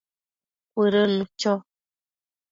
Cuëdënnu cho